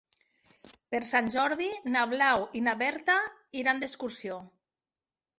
Per Sant Jordi na Blau i na Berta iran d'excursió.